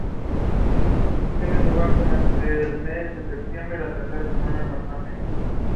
Fue uno de los primeros seguidores del procedimiento de Daguerre.